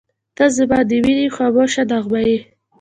• ته زما د مینې خاموشه نغمه یې.